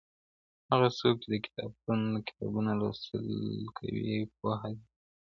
هغه څوک چي د کتابتون کتابونه لوستل کوي پوهه زياتوي!